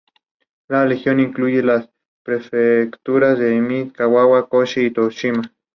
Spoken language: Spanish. Su personaje, Lourdes Maldonado, fallecía tras un parto complicado, donde perdió mucha sangre.